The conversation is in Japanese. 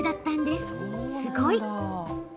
すごい！